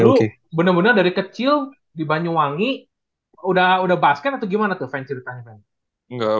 ro secret level dari kecil di banyuwangi udah udah basket atau gimana tuh feit utahnya enggak